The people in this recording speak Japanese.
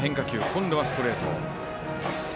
今度はストレート。